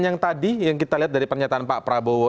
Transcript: yang tadi yang kita lihat dari pernyataan pak prabowo